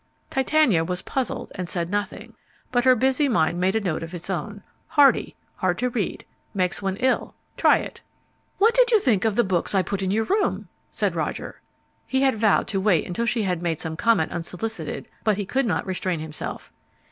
Titania was puzzled, and said nothing. But her busy mind made a note of its own: Hardy, hard to read, makes one ill, try it. "What did you think of the books I put in your room?" said Roger. He had vowed to wait until she made some comment unsolicited, but he could not restrain himself.